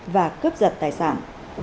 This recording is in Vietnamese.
và cướp giật tài sản